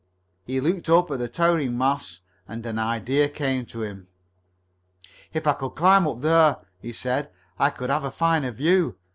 He looked up at the towering masts, and an idea came to him. "If I could climb up there," he said, "I could have a fine view.